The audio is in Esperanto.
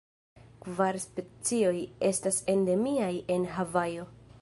Kvar specioj, estas endemiaj en Havajo.